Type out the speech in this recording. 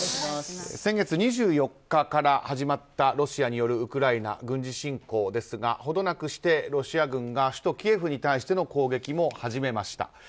先月２４日から始まったロシアによるウクライナ軍事侵攻ですがほどなくしてロシア軍が首都キエフに対しての攻撃も始めました。